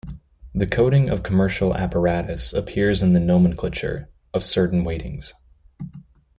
The coding of commercial apparatus appears in the nomenclature of certain weightings.